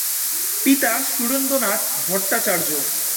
পিতা সুরেন্দ্রনাথ ভট্টাচার্য।